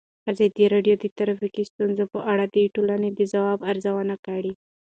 ازادي راډیو د ټرافیکي ستونزې په اړه د ټولنې د ځواب ارزونه کړې.